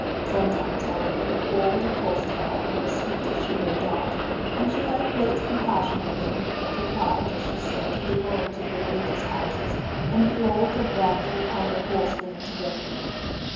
Sometimes, however, the poor would accost her or her suite as she rode out; and she had a great compassion for them, deprived, as she said, of the alms of the religious houses, and flogged or branded if hunger forced them into beggary.